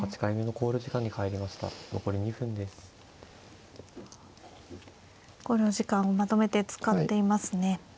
考慮時間をまとめて使っていますね。